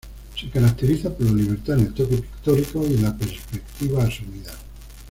Se caracteriza por la libertad en el toque pictórico y en la perspectiva asumida.